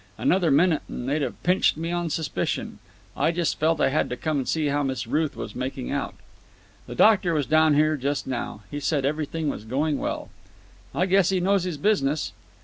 Another minute and they'd have pinched me on suspicion. I just felt I had to come and see how Miss Ruth was making out." "The doctor was down here just now. He said everything was going well." "I guess he knows his business."